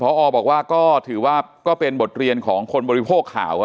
พอบอกว่าก็ถือว่าก็เป็นบทเรียนของคนบริโภคข่าว